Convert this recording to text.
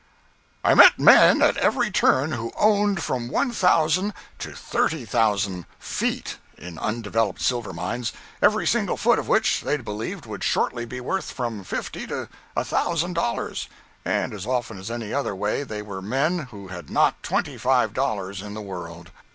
I met men at every turn who owned from one thousand to thirty thousand "feet" in undeveloped silver mines, every single foot of which they believed would shortly be worth from fifty to a thousand dollars—and as often as any other way they were men who had not twenty five dollars in the world.